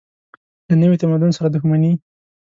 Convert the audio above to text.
له نوي تمدن سره دښمني.